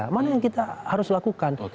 mana yang kita harus lakukan